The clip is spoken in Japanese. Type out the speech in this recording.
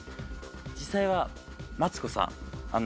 実際はマツコさん